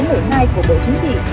của bộ chính trị